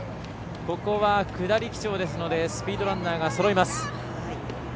ここは下り基調ですのでスピードランナーがそろいます。